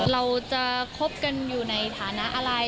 เราจะคบกันอยู่ในฐานะอะไร